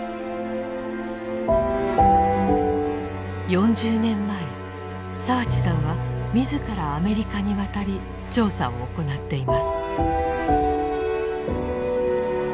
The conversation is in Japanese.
４０年前澤地さんは自らアメリカに渡り調査を行っています。